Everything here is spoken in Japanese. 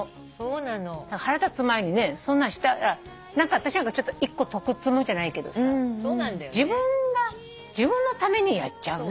腹立つ前にそんなんしたら私なんか１個徳積むじゃないけどさ自分のためにやっちゃうね。